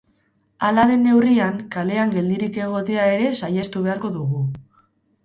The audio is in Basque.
Hala den neurrian, kalean geldirik egotea ere saihestu beharko dugu.